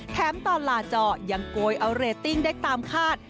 ตอนลาจอยังโกยเอาเรตติ้งได้ตามคาด